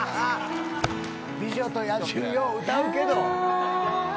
「美女と野獣」を歌うけど。